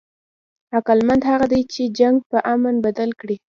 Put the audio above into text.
عقلمند هغه دئ، چي جنګ په امن بدل کي.